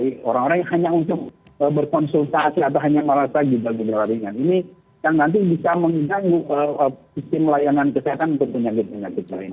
sistem layanan kesehatan untuk penyakit penyakit lain